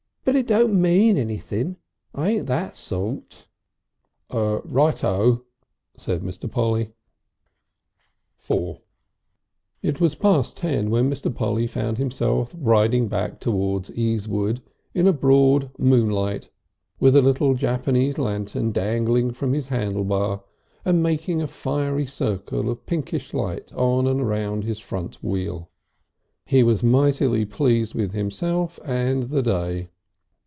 "But it don't mean anything. I ain't that sort." "Right O," said Mr. Polly. IV It was past ten when Mr. Polly found himself riding back towards Easewood in a broad moonlight with a little Japanese lantern dangling from his handle bar and making a fiery circle of pinkish light on and round about his front wheel. He was mightily pleased with himself and the day.